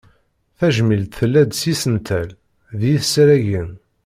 Tajmilt tella-d s yisental, d yisaragen.